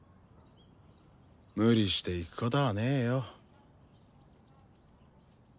無理して行くこたぁねよ。